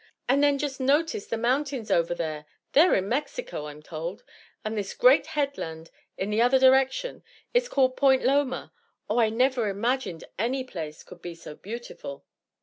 And then just notice the mountains over there they're in Mexico, I'm told and this great headland in the other direction; it's called Point Loma. Oh, I never imagined any place could be so beautiful!"